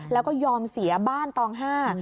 แล้วก็ยอมเสียบ้านตองห้า